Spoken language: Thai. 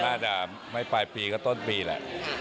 หน้าจ๋าไม่ไปปีก็ต้นปีละ